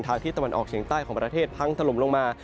ที่ตะวันออกเฉียงใต้ของประเทศพังถล่มลงมา